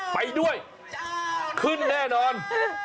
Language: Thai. ไปด้วยขึ้นแน่นอน